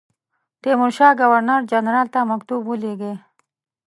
تیمورشاه ګورنر جنرال ته مکتوب ولېږی.